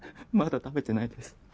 まだ食べてないです。